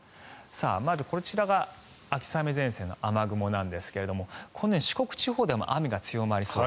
まずこちらが秋雨前線の雨雲なんですがこのように四国地方では雨が強まりそう。